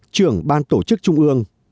trưởng ban tổ chức trung ương